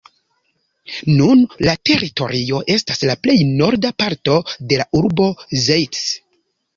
Nun la teritorio estas la plej norda parto de la urbo Zeitz.